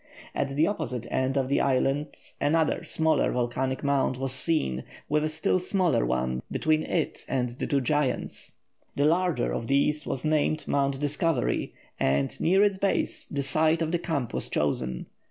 At the opposite end of the island another smaller volcanic mount was seen, with a still smaller one between it and the two giants. The larger of these was named Mount Discovery, and, near its base, the site of the camp was chosen.